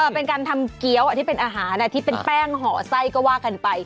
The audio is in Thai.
เป็นการทำเกี้ยวที่เป็นอาหารที่เป็นแป้งห่อไส้ก็ว่ากันไป